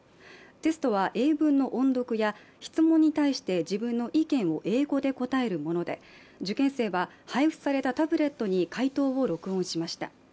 テストは英文の音読や、質問に対して、自分の意見を英語で答えるもので、受験生は配布されたタブレットに解答を録音しました。